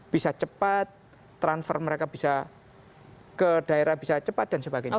bisa cepat transfer mereka bisa ke daerah bisa cepat dan sebagainya